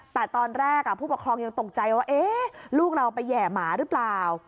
แต่ตอนแรกผู้ปกครองยังตกใจว่าลูกเราไปแห่หมาหรือเปล่า